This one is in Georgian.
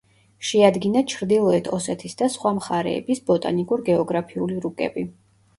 შეადგინა ჩრდილოეთ ოსეთის და სხვა მხარეების ბოტანიკურ-გეოგრაფიული რუკები.